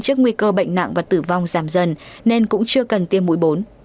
trước nguy cơ bệnh nặng và tử vong giảm dần nên cũng chưa cần tiêm mũi bốn